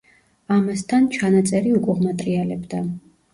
ამასთან, ჩანაწერი უკუღმა ტრიალებდა.